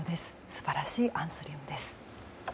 素晴らしいアンスリウムです。